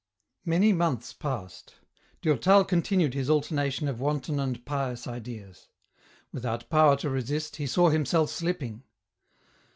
Many months passed. Durtal continued his alternation ot wanton and pious ideas. Without power to resist, he saw himself sUpping.